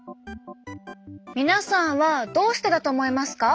皆さんはどうしてだと思いますか？